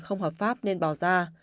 không hợp pháp nên bỏ ra